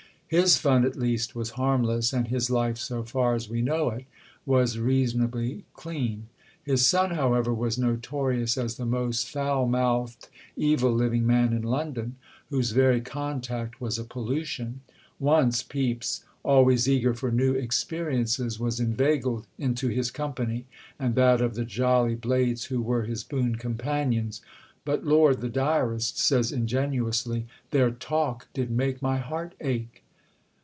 His fun, at least, was harmless, and his life, so far as we know it, was reasonably clean. His son, however, was notorious as the most foul mouthed, evil living man in London, whose very contact was a pollution. Once Pepys, always eager for new experiences, was inveigled into his company and that of the "jolly blades," who were his boon companions; "but Lord!" the diarist says ingenuously, "their talk did make my heart ache!"